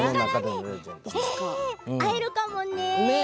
会えるかもね。